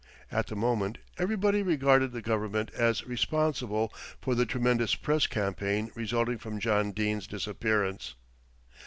At the moment everybody regarded the Government as responsible for the tremendous press campaign resulting from John Dene's disappearance.